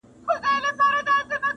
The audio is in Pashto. o مرگ حقه پياله ده!